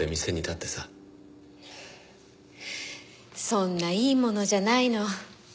そんないいものじゃないの。